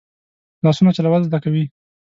لاسونه چلول زده کوي